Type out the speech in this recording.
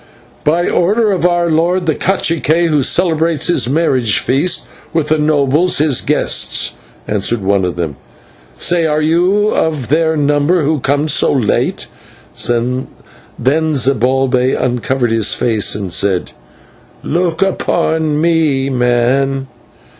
"By order of our lord, the /cacique/, who celebrates his marriage feast with the nobles his guests," answered one of them. "Say, are you of their number who come so late?" Then Zibalbay uncovered his face and said: "Look at me, man.